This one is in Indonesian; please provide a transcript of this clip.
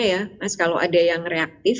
ya mas kalau ada yang reaktif